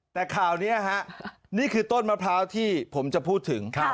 แต่ข่าวนี้ฮะนี่คือต้นมะพร้าวที่ผมจะพูดถึง